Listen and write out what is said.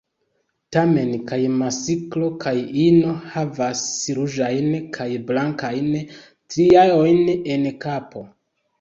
Tamen kaj masklo kaj ino havas ruĝajn kaj blankajn striojn en kapo.